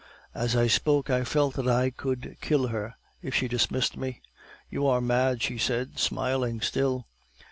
As I spoke I felt that I could kill her if she dismissed me. "'You are mad,' she said, smiling still.